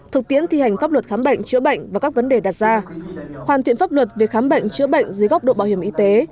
thực tiễn thi hành pháp luật khám bệnh chữa bệnh và các vấn đề đặt ra hoàn thiện pháp luật về khám bệnh chữa bệnh dưới góc độ bảo hiểm y tế